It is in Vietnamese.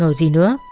không còn gì nữa